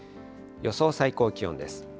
予想最高気温です。